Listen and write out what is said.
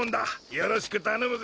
よろしく頼むぜ。